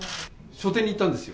書店に行ったんですよ。